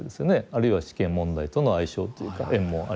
あるいは試験問題との相性というか縁もありますし。